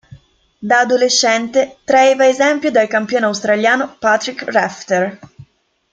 Da adolescente, traeva esempio dal campione australiano Patrick Rafter.